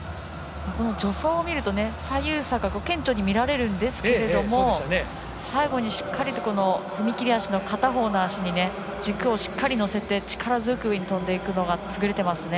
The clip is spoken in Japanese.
助走を見ると左右差が顕著に見られるんですけれども最後にしっかり踏み切り足の片方の足に軸をしっかり乗せて力強く上に跳んでいくのが優れていますね。